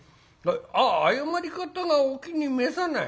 ああ謝り方がお気に召さない？